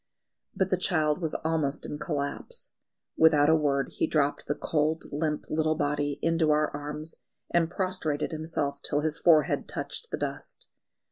But the child was almost in collapse. Without a word he dropped the cold, limp little body into our arms, and prostrated himself till his forehead touched the dust.